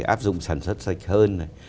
áp dụng sản xuất sạch hơn này